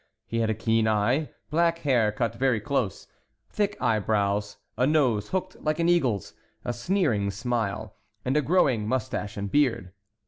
He had a keen eye, black hair cut very close, thick eyebrows, a nose hooked like an eagle's, a sneering smile, and a growing mustache and beard.